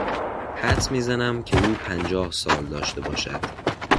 حدس میزنم که او پنجاه سال داشته باشد.